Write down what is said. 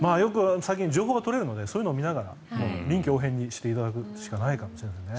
最近、情報が取れるのでそういうのを見ながら臨機応変にしていただくしかないかもしれないですね。